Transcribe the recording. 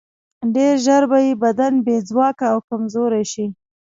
ډېر ژر به یې بدن بې ځواکه او کمزوری شي.